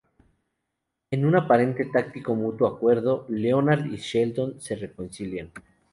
En un aparente tácito mutuo acuerdo, Leonard y Sheldon se reconcilian.